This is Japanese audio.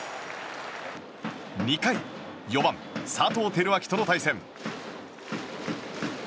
２回４番、佐藤輝明との対戦。